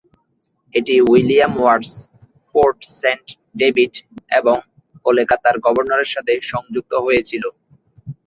এটি William Watts, Fort Saint David এবং কলকাতার গভর্নরের সাথে সংযুক্ত হয়েছিল।